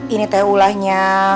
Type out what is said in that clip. ini teh ulahnya